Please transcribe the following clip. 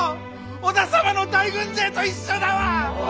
織田様の大軍勢と一緒だわ！